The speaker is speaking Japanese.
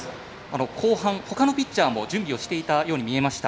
後半、ほかのピッチャーも準備をしていたように見えました。